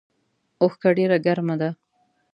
اوښکه ډیره ګرمه ده